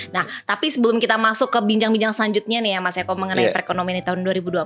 nah tapi sebelum kita masuk ke bincang bincang selanjutnya nih ya mas eko mengenai perekonomian di tahun dua ribu dua puluh empat